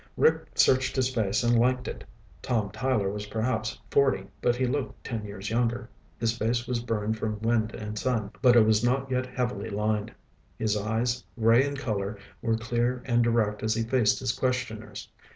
Rick searched his face and liked it. Tom Tyler was perhaps forty, but he looked ten years younger. His face was burned from wind and sun, but it was not yet heavily lined. His eyes, gray in color, were clear and direct as he faced his questioners.